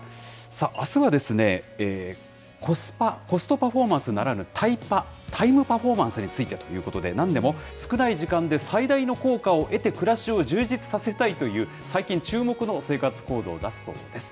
さあ、あすはコスパ、コストパフォーマンスならぬ、タイパ、タイムパフォーマンスについてということで、なんでも少ない時間で最大の効果を得て暮らしを充実させたいという、最近注目の生活行動だそうです。